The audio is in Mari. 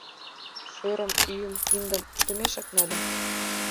Шӧрым, ӱйым, киндым утымешак нальым.